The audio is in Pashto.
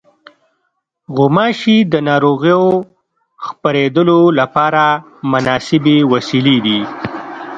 غوماشې د ناروغیو خپرېدلو لپاره مناسبې وسیلې دي.